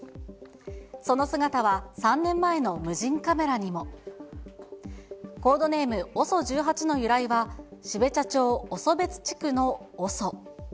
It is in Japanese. その姿は、３年前の無人カメラにも。コードネーム、ＯＳＯ１８の由来は、標茶町オソベツ地区のオソ。